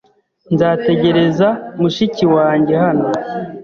Nzategereza mushiki wanjye hano.